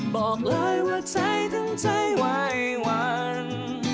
บอกเลยว่าแท้ทั้งใจไหวหวรรณ